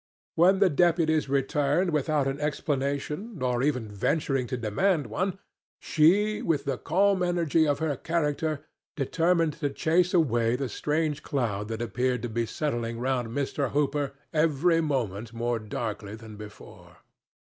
When the deputies returned without an explanation, or even venturing to demand one, she with the calm energy of her character determined to chase away the strange cloud that appeared to be settling round Mr. Hooper every moment more darkly than before.